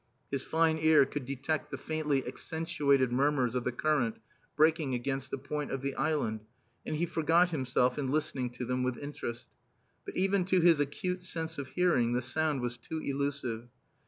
His fine ear could detect the faintly accentuated murmurs of the current breaking against the point of the island, and he forgot himself in listening to them with interest. But even to his acute sense of hearing the sound was too elusive.